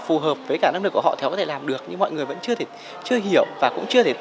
phù hợp với cả năng lực của họ thì họ có thể làm được nhưng mọi người vẫn chưa hiểu và cũng chưa